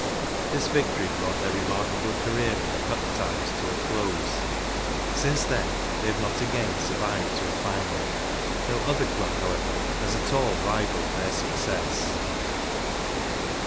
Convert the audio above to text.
This victory brought their rema r k a ble career in the Cup ties to a close ; since then they have not again sur¬ vived to a final. No other club, however, has at all rivalled their success.